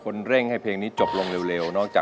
นั่งร้องหายลบทำหนึ่งคำ